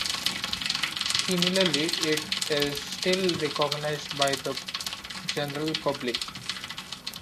Similarly, it is still recognized by the general public.